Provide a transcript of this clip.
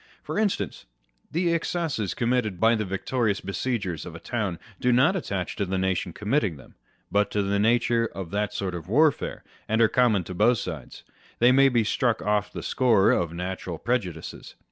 For instance, 63 On Reason and Imagination. the excesses committed by the victorious besiegers of a town do not attach to the nation committing them, but to the nature of that sort of warfare, and are common to both sides. They may be struck off the score of natural pre judices.